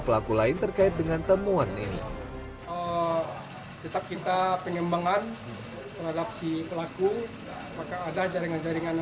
pelaku lain terkait dengan temuan ini tetap kita penyembangan terhadap si pelaku maka ada jaringan jaringan